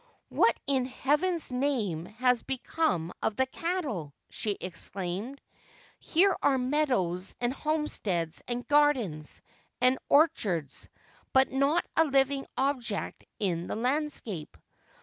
' What in Heaven's name has become of the cattle ?' she exclaimed. ' Here are meadows, and homesteads, and gardens, and orchards, but not a living object in the landscape.